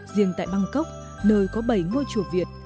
riêng tại bangkok nơi có bảy ngôi chùa việt